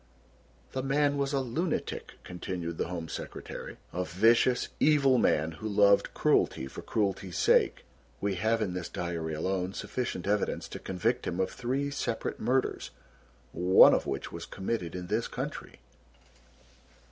"The man was a lunatic," continued the Home Secretary, "a vicious, evil man who loved cruelty for cruelty's sake. We have in this diary alone sufficient evidence to convict him of three separate murders, one of which was committed in this country."